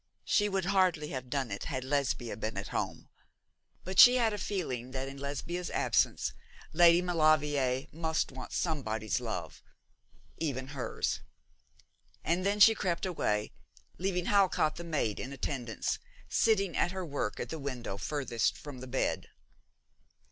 She would hardly have done it had Lesbia been at home; but she had a feeling that in Lesbia's absence Lady Maulevrier must want somebody's love even hers. And then she crept away, leaving Halcott the maid in attendance, sitting at her work at the window furthest from the bed.